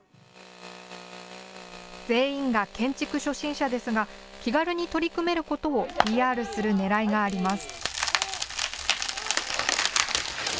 全員が建築初心者ですが気軽に取り組めることをＰＲするねらいがあります。